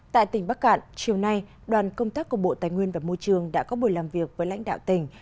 tại tỉnh bắc cạn chiều nay đoàn công tác của bộ tài nguyên và môi trường đã có buổi làm việc với lãnh đạo tỉnh